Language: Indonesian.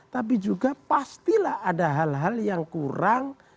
tapi juga pastilah ada hal hal yang kurang